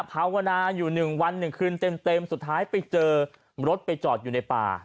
เขากำลังอยู่หนึ่งวันหนึ่งคืนเต็มเต็มสุดท้ายไปเจอรถไปจอดอยู่ในป่า